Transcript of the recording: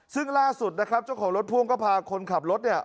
ซึ่งล่าสุดนะครับเจ้าของรถพ่วงก็พาคนขับรถเนี่ย